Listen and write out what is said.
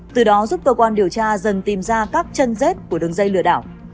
từ đó giúp cơ quan điều tra dần tìm ra các chân rết của đường dây lừa đảo